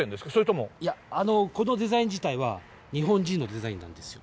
いやあのこのデザイン自体は日本人のデザインなんですよ。